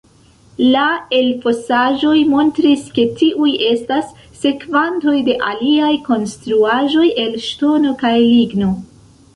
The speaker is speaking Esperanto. La elfosaĵoj montris, ke tiuj estas sekvantoj de aliaj konstruaĵoj el ŝtono kaj ligno.